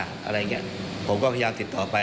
อะไรอย่างนี้ผมก็พยายามติดต่อไป